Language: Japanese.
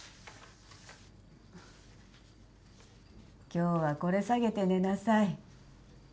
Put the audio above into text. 今日はこれさげて寝なさい。